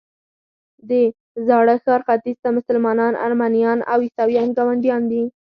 د زاړه ښار ختیځ ته مسلمانان، ارمنیان او عیسویان ګاونډیان دي.